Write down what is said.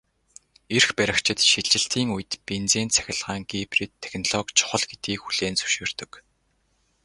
Эрх баригчид шилжилтийн үед бензин-цахилгаан гибрид технологи чухал гэдгийг хүлээн зөвшөөрдөг.